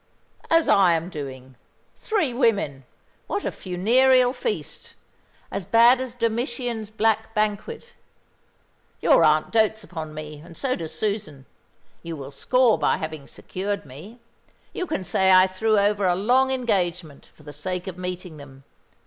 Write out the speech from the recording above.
"As I am doing. Three women! What a funereal feast; as bad as Domitian's black banquet. Your aunt dotes upon me, and so does Susan. You will score by having secured me. You can say I threw over a long engagement for the sake of meeting them.